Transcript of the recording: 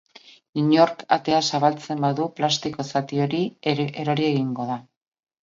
Inork atea zabaltzen badu plastiko zati hori erori egiten da.